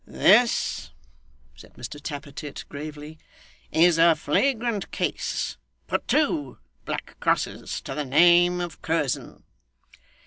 'This,' said Mr Tappert gravely, 'is a flagrant case. Put two black crosses to the name of Curzon.